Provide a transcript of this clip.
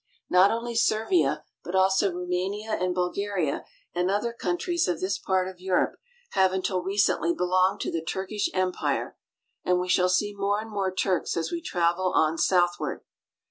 Not only Servia, but also Rbumania and Bulgaria and other countries of this part of Europe, have until recently belonged to the Turkish Empire, and we shall see more and more Turks as we travel on southward.